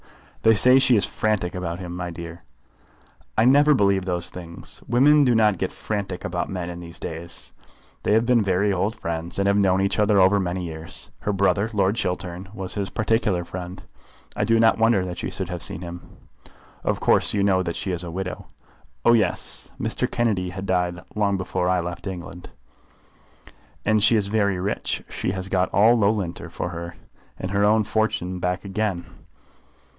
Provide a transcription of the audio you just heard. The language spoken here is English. "They say she is frantic about him, my dear." "I never believe those things. Women do not get frantic about men in these days. They have been very old friends, and have known each other for many years. Her brother, Lord Chiltern, was his particular friend. I do not wonder that she should have seen him." "Of course you know that she is a widow." "Oh, yes; Mr. Kennedy had died long before I left England." "And she is very rich. She has got all Loughlinter for her life, and her own fortune back again.